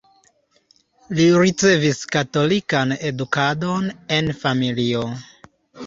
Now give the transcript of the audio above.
Li ricevis katolikan edukadon en familio.